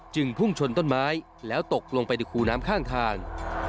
พุ่งชนต้นไม้แล้วตกลงไปในคูน้ำข้างทาง